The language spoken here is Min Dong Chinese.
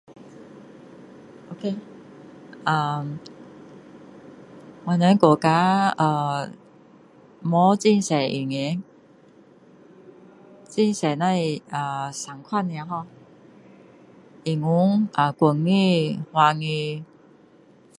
ok 呃我们国家呃没很多语言很多那是三种而已 ho 英文国语华语